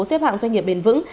xếp hạng doanh nghiệp bền vững